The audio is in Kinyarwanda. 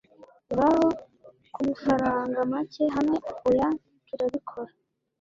ngaho kumafaranga make hamwe oya turabikora